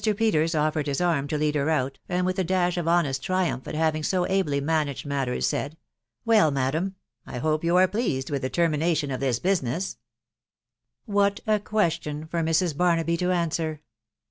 Peters offered his arm to lead her out, and with a dash of honest triumph at having so ably managed matters, said, " Well, madam ..., I hope you axe \>\ease& wVta tab ten*V» nation of this business ?" THE WIDOW BARKABT. 356 What a question for Mrs. Barnaby to answer